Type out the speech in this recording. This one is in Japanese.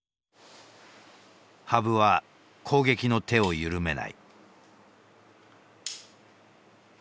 羽生は攻撃の手を緩めない。